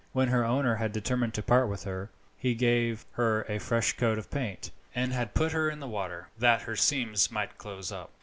When her owner had determined to part with her he had given her a fresh coat of paint, and had put her in the water, that her seams might close up.